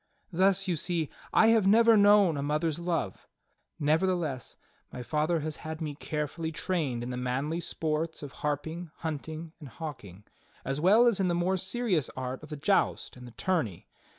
Thus you see I have never known a mother's love; nevertheless my father has had me carefully trained in the manly sports of harping, hunting and hawking, as well as in the more serious art of the joust and the tourney.